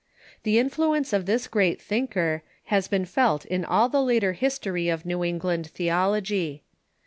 The influence of this great thinker has been felt in all the later history of New England theology.